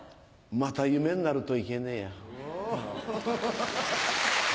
また夢になるといけねえや。